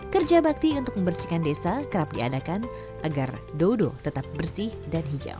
kerja bakti untuk membersihkan desa kerap diadakan agar dodo tetap bersih dan hijau